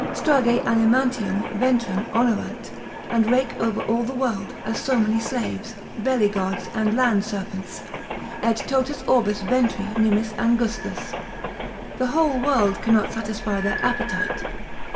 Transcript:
Strage animantium ventrem onerant, and rake over all the world, as so many slaves, belly gods, and land serpents, Et totus orbis ventri nimis angustus, the whole world cannot satisfy their appetite.